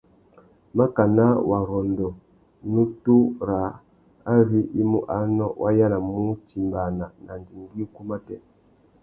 Makana wa rôndômú nutu râā ari i mú anô, wa yānamú utimbāna na andigüî ukú matê.